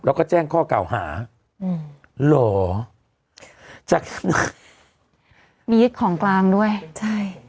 แล้วก็แจ้งข้อเก่าหาหรอจากมีของกลางด้วยใช่